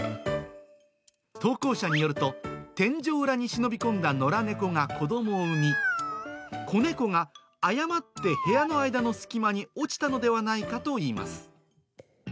投稿者によると、天井裏に忍び込んだ野良猫が子どもを産み、子猫が誤って部屋の間の隙間に落ちたのではないかといいます。